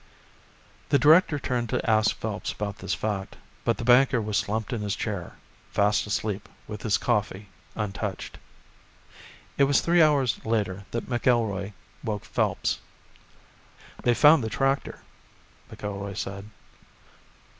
The director turned to ask Phelps about this fact, but the banker was slumped in his chair, fast asleep with his coffee untouched. It was three hours later that McIlroy woke Phelps. "They've found the tractor," McIlroy said.